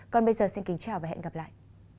còn bây giờ xin kính chào và hẹn gặp lại